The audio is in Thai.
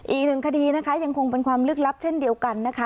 อีกหนึ่งคดีนะคะยังคงเป็นความลึกลับเช่นเดียวกันนะคะ